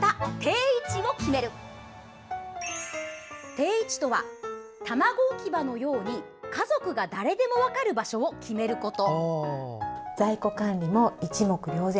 定位置とは卵置き場のように家族が誰でも分かる場所を決めること。